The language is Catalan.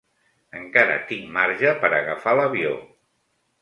Encara tinc marge per agafar l'avió.